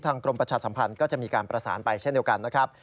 กรมประชาสัมพันธ์ก็จะมีการประสานไปเช่นเดียวกันนะครับ